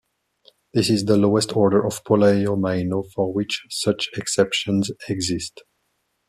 This is the lowest order of polyomino for which such exceptions exist.